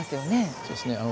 そうですね。